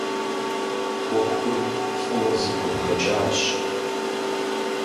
Ӏуэхур фӏыуэ зэфӏэбгъэкӏащ.